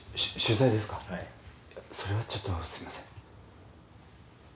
それはちょっとすみません。